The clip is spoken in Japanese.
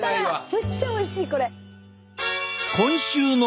めっちゃおいしいこれ！